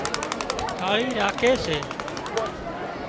ٿاۯي راکي سي